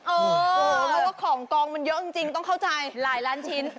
เพราะว่าของกองมันเยอะจริงต้องเข้าใจหลายล้านชิ้น